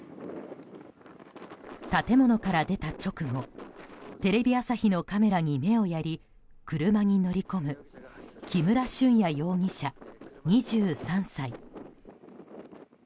建物から出た直後テレビ朝日のカメラに目をやり車に乗り込む木村俊哉容疑者、２３歳。